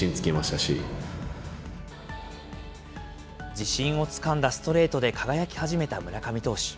自信をつかんだストレートで輝き始めた村上投手。